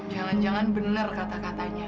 jangan jangan benar kata katanya